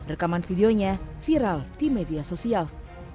rekaman videonya viral di media sosial